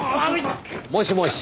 もしもし。